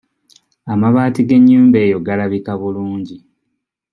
Amabaati g'ennyumba eyo galabika bulungi.